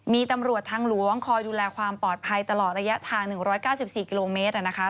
มีตำรวจทางหลวงคอยดูแลความปลอดภัยตลอดระยะทาง๑๙๔กิโลเมตรนะคะ